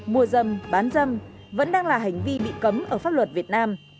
mua dâm bán dâm vẫn đang là hành vi bị cấm ở pháp luật việt nam